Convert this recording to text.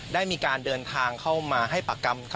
ได้มีการเดินทางเข้ามาให้ปากคำ